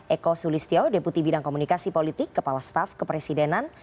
eko sulistyo deputi bidang komunikasi politik kepala staf kepresidenan